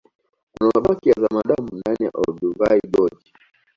kuna mabaki ya zamadamu ndani ya olduvai george